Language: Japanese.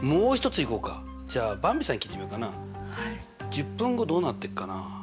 １０分後どうなってっかな？